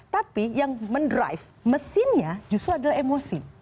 tapi yang mendrive mesinnya justru adalah emosi